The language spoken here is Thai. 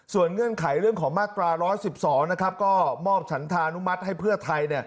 เงื่อนไขเรื่องของมาตรา๑๑๒ก็มอบฉันธานุมัติให้เพื่อไทย